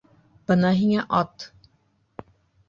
Бына һиңә ат!